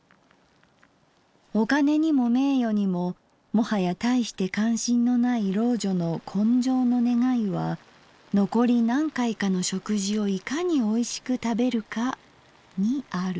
お金にも名誉にももはやたいして関心のない老女の今生の願いは残り何回かの食事をいかにおいしく食べるかにある」。